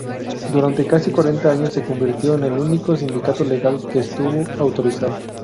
Durante casi cuarenta años se convirtió en el único sindicato legal que estuvo autorizado.